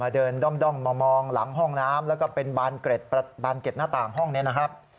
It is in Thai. ด้อมมามองหลังห้องน้ำแล้วก็เป็นบานเกร็ดบานเกร็ดหน้าต่างห้องนี้นะครับ